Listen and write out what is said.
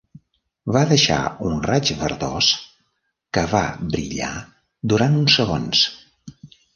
Va deixar un raig verdós que va brillar durant uns segons.